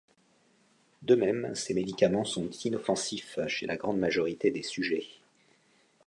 De même, ces médicaments sont inoffensifs chez la grande majorité des sujets.